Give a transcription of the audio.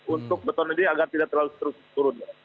untuk beton ini agar tidak terlalu terus turun